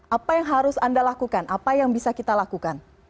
apa yang harus anda lakukan apa yang bisa kita lakukan